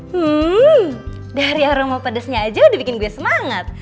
hmm dari aroma pedasnya aja udah bikin gue semangat